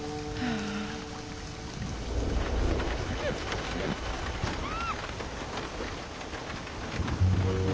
ああ。